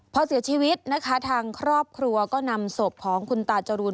พอเสียชีวิตนะคะทางครอบครัวก็นำศพของคุณตาจรูน